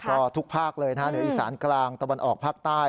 ก็ทุกภาคเลยนะฮะเหนืออีสานกลางตะวันออกภาคใต้